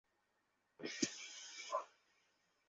সঠিক ঘটনা জানতে চার সদস্যবিশিষ্ট একটি তদন্ত কমিটি গঠন করা হয়েছে।